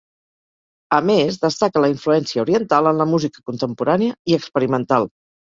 A més, destaca la influència oriental en la música contemporània i experimental.